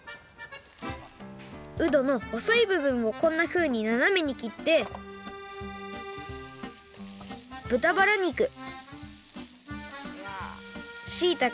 うどのほそいぶぶんをこんなふうにななめにきってぶたばら肉しいたけ